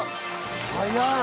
早い。